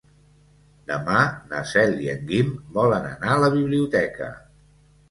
Demà na Cel i en Guim volen anar a la biblioteca.